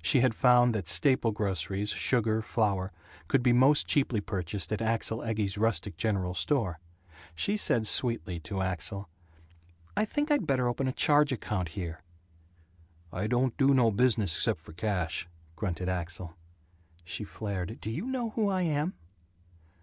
She had found that staple groceries, sugar, flour, could be most cheaply purchased at Axel Egge's rustic general store. She said sweetly to Axel: "I think I'd better open a charge account here." "I don't do no business except for cash," grunted Axel. She flared, "Do you know who I am?"